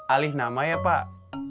alih nama ya pak